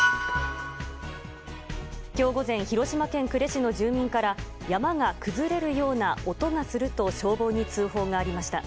今日午前、広島県呉市の住民から山が崩れるような音がすると消防に通報がありました。